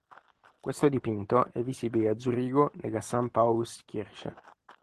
Questo dipinto è visibile a Zurigo nella San Paulus Kirche.